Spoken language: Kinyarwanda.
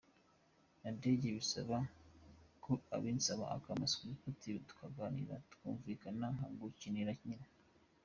Nadege: bisaba ko ubinsaba, ukampa script, tukaganira, twakumvikana nkagukinira nyine.